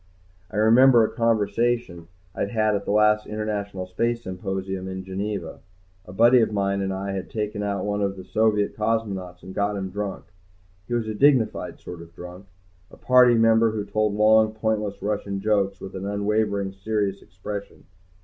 I remembered a conversation I'd had at the last International Space Symposium in Geneva. A buddy of mine and I had taken out one of the Soviet cosmonauts and got him drunk. He was a dignified sort of drunk, a Party member who told long, pointless Russian jokes with an unwavering, serious expression.